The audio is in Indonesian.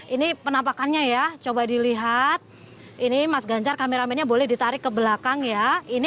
ini penampakannya ya coba dilihat ini mas ganjar kameramennya boleh ditarik ke belakang ya ini